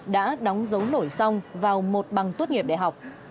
đã đóng dấu nổi xong vào một bằng tốt nghiệp đại học